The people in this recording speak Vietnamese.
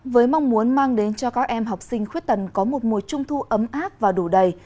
với mong muốn mang đến cho các em học sinh khuyết tần có một mùa trung thu ấm áp và đủ đầy